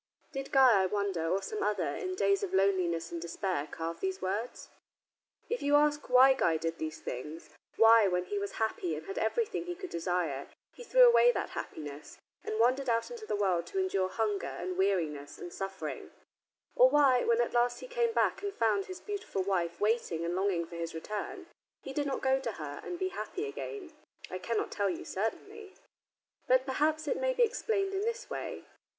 Did Guy, I wonder, or some other, in days of loneliness and despair, carve these words? If you ask why Guy did these things why, when he was happy and had everything he could desire, he threw away that happiness, and wandered out into the world to endure hunger, and weariness, and suffering or why, when at last he came back and found his beautiful wife waiting and longing for his return, he did not go to her and be happy again, I cannot tell you certainly. But perhaps it may be explained in this way.